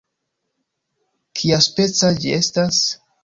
"Kiaspeca ĝi estas?"